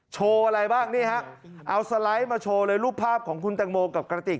โชว์อะไรบ้างนี่ฮะเอาสไลด์มาโชว์เลยรูปภาพของคุณแตงโมกับกระติก